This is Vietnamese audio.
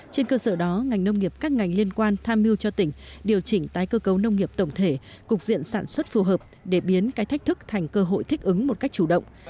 trên cơ sở đó ngành nông nghiệp các ngành liên quan tham mưu cho tỉnh điều chỉnh tái cơ cấu nông nghiệp tổng thể cục diện sản xuất phù hợp để biến cái thách thức thành cơ hội thích ứng một cách chủ động